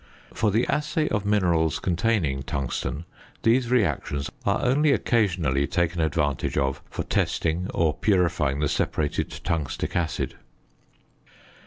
For the assay of minerals containing tungsten these reactions are only occasionally taken advantage of for testing or purifying the separated tungstic acid.